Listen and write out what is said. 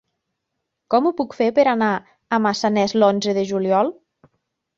Com ho puc fer per anar a Massanes l'onze de juliol?